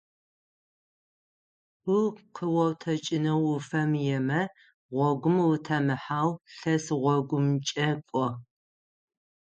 Ку къыоутэкӏынэу уфэмыемэ гъогум утемыхьэу лъэс гъогумкӏэ кӏо.